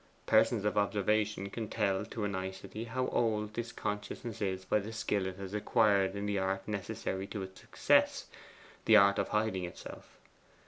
Persons of observation can tell to a nicety how old this consciousness is by the skill it has acquired in the art necessary to its success the art of hiding itself.